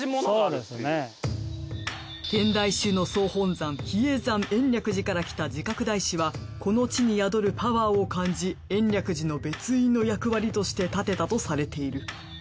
天台宗の総本山比叡山延暦寺からきた慈覚大師はこの地に宿るパワーを感じ延暦寺の別院の役割として建てたとされている。